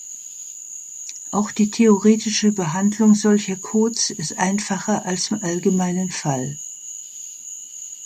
Auch die theoretische Behandlung solcher Codes ist einfacher als im allgemeinen Fall.